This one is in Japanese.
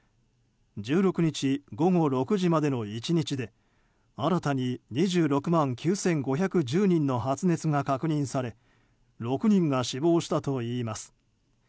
１６日午後６時までの１日で新たに２６万９５１０人の発熱が確認され６人が死亡したといいます。